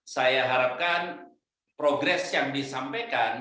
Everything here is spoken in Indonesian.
saya harapkan progres yang disampaikan